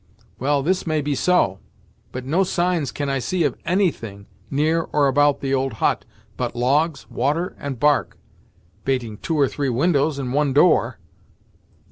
Well, this may be so; but no signs can I see of any thing, near or about the old hut, but logs, water, and bark bating two or three windows, and one door."